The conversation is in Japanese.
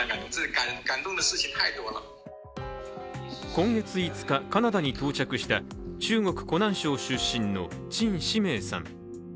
今月５日、カナダに到着した中国・湖南省出身の陳思明さん。